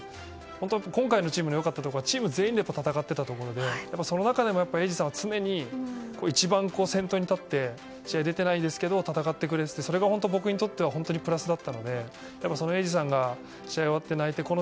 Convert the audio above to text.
今回のチームの良かったところはチーム全体が戦っていたところでその中でも永嗣さんは常に一番先頭に立って試合に出ていないですけど戦ってくれててそれが僕にとってプラスだったので永嗣さんが泣いてくれて。